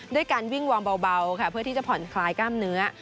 ด้วยการวิ่งวางเบาค่ะเพื่อที่จะผ่อนคลายกล้ามเนื้อ